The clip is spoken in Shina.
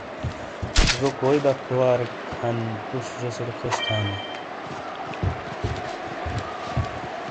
زو کوئی بختواریک ہن توس زیسیٹ خوش تھانی۔